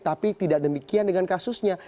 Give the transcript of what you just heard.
tapi tidak demikian dengan kasusnya